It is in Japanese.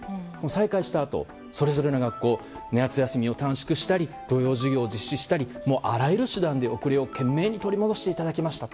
再開したあと、それぞれの学校夏休みを短縮したり土曜授業を実施したりとあらゆる手段で遅れを懸命に取り戻していただきました。